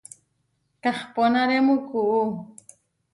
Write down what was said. Kahponarému kuú.